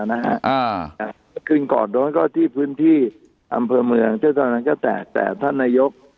คืนก่อนโดนก็ที่พื้นที่อำเภอเมืองซึ่งตอนนั้นก็แตกแต่ท่านนายก